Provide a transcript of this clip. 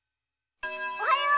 おはよう！